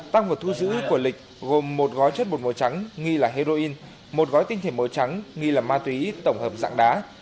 tăng vật thu giữ của lịch gồm một gói chất bột màu trắng nghi là heroin một gói tinh thể màu trắng nghi là ma túy tổng hợp dạng đá